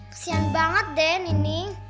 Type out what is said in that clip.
kesian banget deh nih nih